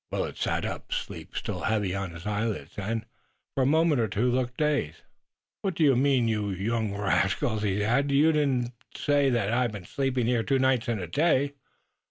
Willet sat up, sleep still heavy on his eyelids, and, for a moment or two, looked dazed. "What do you mean, you young rascals?" he asked. "You don't say that I've been sleeping here two nights and a day?"